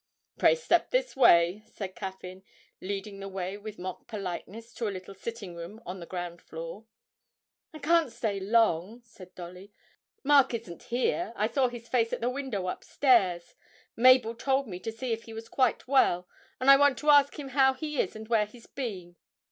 'Pray step this way,' said Caffyn, leading the way with mock politeness to a little sitting room on the ground floor. 'I can't stay long,' said Dolly. 'Mark isn't here I saw his face at the window upstairs. Mabel told me to see if he was quite well, and I want to ask him how he is and where he's been.'